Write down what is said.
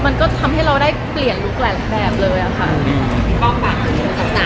มันก็ทำให้เราได้เปลี่ยนลุคหลายแบบเลยอะค่ะ